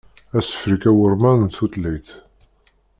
Asefrek awurman n tutlayt.